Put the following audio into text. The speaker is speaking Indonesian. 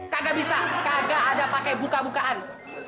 kagak bisa kagak ada pakai buka bukaan